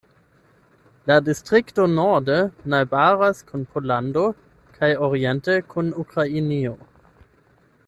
La distrikto norde najbaras kun Pollando kaj oriente kun Ukrainio.